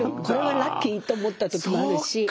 これはラッキーと思った時もあるし。